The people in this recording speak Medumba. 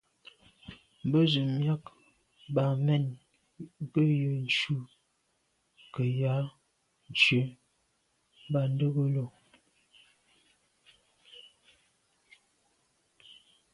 Mbə́zə́ myɑ̂k Bamen gə̀ yə́ ncʉ̂ gə̀ yá cú mbā ndə̂gə́lô.